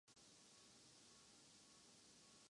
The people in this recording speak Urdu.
پاکستان میں اس بیماری کو لے کر تعلیم اور عقل کی کمی ہے